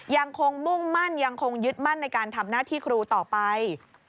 ยังคงมุ่งมั่นยังคงยึดมั่นในการทำหน้าที่ครูต่อไป